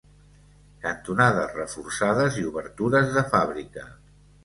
Cantonades reforçades i obertures de fàbrica.